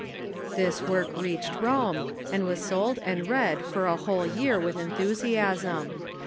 This work reached Rome, and was sold and read for a whole year with enthusiasm.